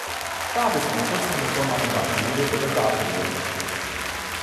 Gaby ist eine Kurzform der Vornamen Gabriele oder Gabriel.